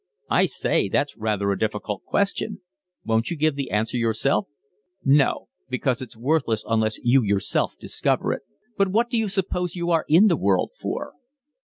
"I say, that's rather a difficult question. Won't you give the answer yourself?" "No, because it's worthless unless you yourself discover it. But what do you suppose you are in the world for?"